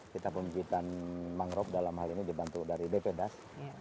kita pembibitan mangrove dalam hal ini dibantu dari bp das